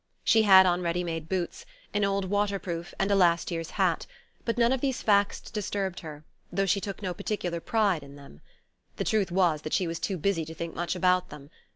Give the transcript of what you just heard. She had on ready made boots, an old waterproof and a last year's hat; but none of these facts disturbed her, though she took no particular pride in them. The truth was that she was too busy to think much about them.